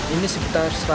ini sekitar seratus